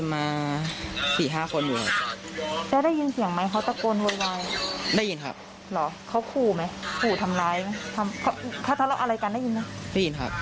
มาได้ยินนะมึงได้ยินครับ